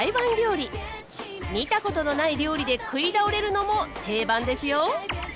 見たことのない料理で食い倒れるのも定番ですよ。